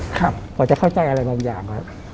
กว่าที่จะเข้าใจอะไรบางอย่าง